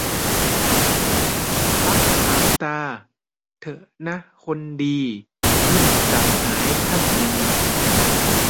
"ปลั๊กสามตา เถอะนะคนดี" - มิตรสหายท่านหนึ่ง